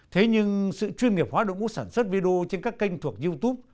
thế nhưng sự chuyên nghiệp hóa động của sản xuất video trên các kênh thuộc youtube